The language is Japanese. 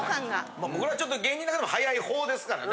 まあ僕らちょっと芸人の中でも速い方ですからね。